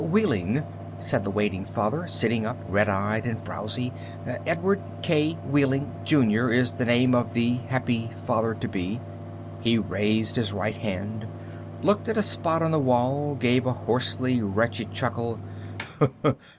"Wehling," said the waiting father, sitting up, red eyed and frowzy. "Edward K. Wehling, Jr., is the name of the happy father to be." He raised his right hand, looked at a spot on the wall, gave a hoarsely wretched chuckle.